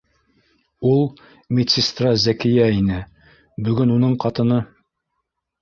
Ул медсестра Зәкиә ине, бөгөн уның ҡатыны